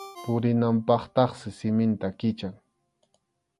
Purinanpaqtaqsi siminta kichan.